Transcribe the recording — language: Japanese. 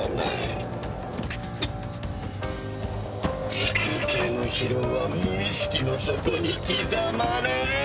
時空系の疲労は無意識の底に刻まれる。